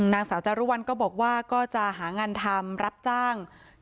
นางสาวจารุวัลก็บอกว่าก็จะหางานทำรับจ้าง